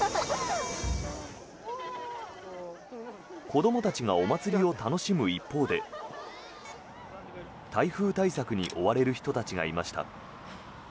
子どもたちがお祭りを楽しむ一方で台風対策に追われる人たちがいました。